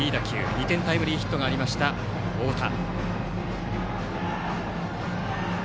２点タイムリーヒットがあった太田。